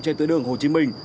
trên tuyến đường hồ chí minh